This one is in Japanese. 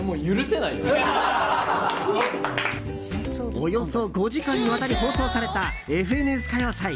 およそ５時間にわたり放送された「ＦＮＳ歌謡祭」。